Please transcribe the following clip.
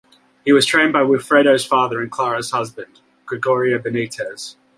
He was trained by Wilfredo's father and Clara's husband, Gregorio Benitez.